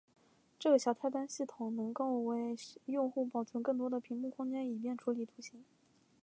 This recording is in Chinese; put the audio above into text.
这个小菜单系统能够为用户保存更多的屏幕空间以便处理图形。